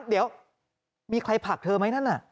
เดี๋ยวมีใครผลักเธอไหมนั่นน่ะ